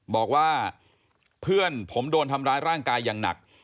บอกว่าเพื่อนผมโดนทำร้ายร่างกายอย่างหนัก